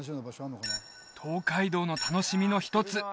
東海道の楽しみの一つ